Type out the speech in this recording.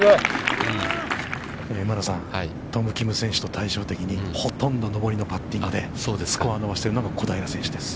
◆馬野さん、トム・キム選手と対照的に、ほとんど上りのパッティングでスコアを伸ばしているのが小平選手です。